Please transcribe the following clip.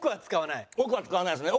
奥は使わないですね。